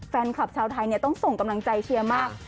แฟนคลับชาวไทยต้องส่งกำลังใจเชียร์มาก